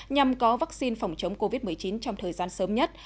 nhằm có vaccine phòng chống covid một mươi chín trong thời gian sớm nhất